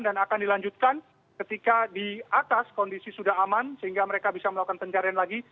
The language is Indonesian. dan akan dilanjutkan ketika di atas kondisi sudah aman sehingga mereka bisa melakukan pencarian lagi